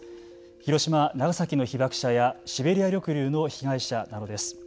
広島、長崎の被爆者やシベリア抑留の被害者などです。